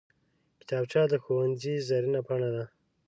کتابچه د ښوونځي زرینه پاڼه ده